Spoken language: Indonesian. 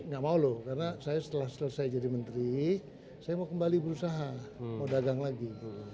gak mau loh karena saya setelah selesai jadi menteri saya mau kembali berusaha mau dagang lagi